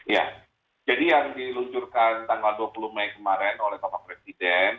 ya jadi yang diluncurkan tanggal dua puluh mei kemarin oleh bapak presiden